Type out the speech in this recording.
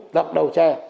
lọc đầu tre